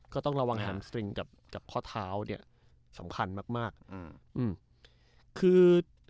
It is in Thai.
ก็ต้องระวังแฮมสตริงกับข้อเท้าเนี่ยสำคัญมากมากอืมคือ